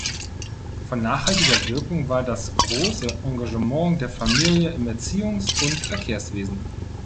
Von nachhaltiger Wirkung war das grosse Engagement der Familie im Erziehungs- und Verkehrswesen.